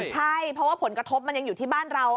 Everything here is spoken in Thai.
ใช่เพราะว่าผลกระทบมันยังอยู่ที่บ้านเรา